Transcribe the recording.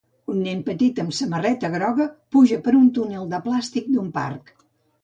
Un nen petit amb samarreta groga puja per un túnel de plàstic d'un parc.